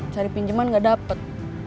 cari pinjeman enggak dapat